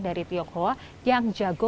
dari tionghoa yang jago